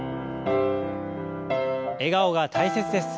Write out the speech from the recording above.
笑顔が大切です。